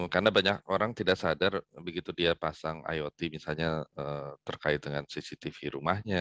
karena banyak orang tidak sadar begitu dia pasang iot misalnya terkait dengan cctv rumahnya